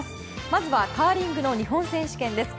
まずはカーリングの日本選手権です。